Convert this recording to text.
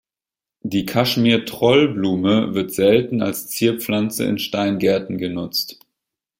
Die Kaschmir-Trollblume wird selten als Zierpflanze in Steingärten genutzt.